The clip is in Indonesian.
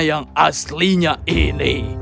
yang aslinya ini